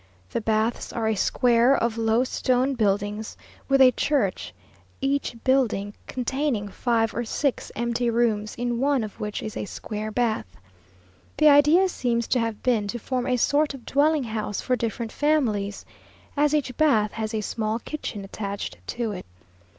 The baths are a square of low stone buildings, with a church each building containing five or six empty rooms, in one of which is a square bath. The idea seems to have been to form a sort of dwelling house for different families, as each bath has a small kitchen attached to it.